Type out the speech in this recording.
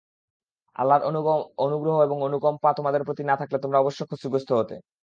আল্লাহর অনুগ্রহ এবং অনুকম্পা তোমাদের প্রতি না থাকলে তোমরা অবশ্য ক্ষতিগ্রস্ত হতে।